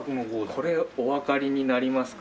これおわかりになりますか？